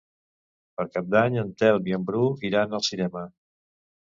Per Cap d'Any en Telm i en Bru iran al cinema.